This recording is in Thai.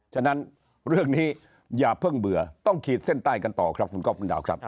ฉะนั้นเรื่องนี้อย่าเพิ่งเบื่อต้องขีดเส้นใต้กันต่อครับคุณก๊อบคุณดาวครับ